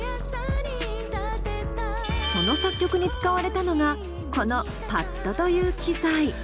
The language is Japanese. その作曲に使われたのがこのパッドという機材。